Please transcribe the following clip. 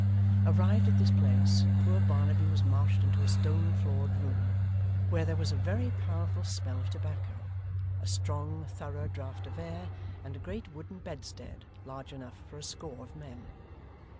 Arrived at this place, poor Barnaby was marched into a stone floored room, where there was a very powerful smell of tobacco, a strong thorough draught of air, and a great wooden bedstead, large enough for a score of men.